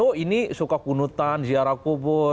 oh ini suka kunutan ziarah kubur